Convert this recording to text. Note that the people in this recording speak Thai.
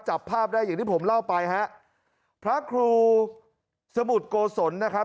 จับภาพได้อย่างที่ผมเล่าไปฮะพระครูสมุทรโกศลนะครับ